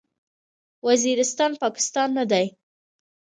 وزیرستان، پاکستان نه دی.